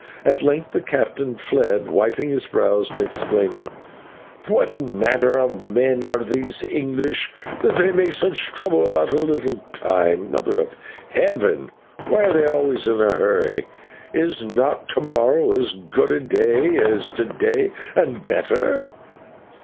At length the captain fled, wiping his brow and exclaiming: "What manner of men are these English that they make such a trouble about a little time? Mother of Heaven! why are they always in a hurry? Is not to morrow as good as to day and better?"